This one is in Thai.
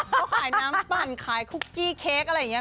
เขาขายน้ำปั่นขายคุกกี้เค้กอะไรอย่างนี้